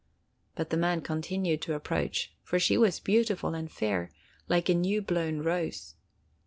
But the man continued to approach, for she was beautiful and fair, like a new blown rose.